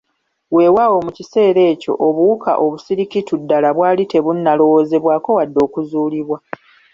Weewaawo mu kiseera ekyo obuwuka obusirikitu ddala bwali tebunnalowoozebwako wadde okuzuulibwa.